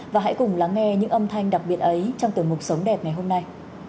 và hãy cùng lắng nghe những âm thanh đặc biệt ấy trong tử mục sống đẹp ngày hôm nay